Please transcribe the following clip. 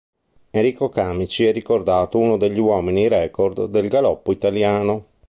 Enrico Camici è ricordato uno degli uomini-record del galoppo italiano.